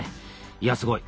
いやすごい。